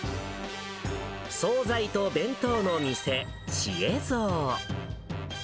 惣菜と弁当の店、ちえ蔵。